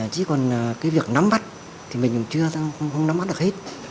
chứ còn cái việc nắm bắt thì mình chưa nắm bắt được hết